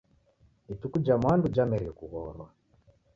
Ituku ja mwandu jamerie kughorwa.